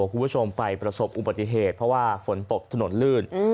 คุณผู้ชมไปประสบอุบัติเหตุเพราะว่าฝนตกถนนลื่น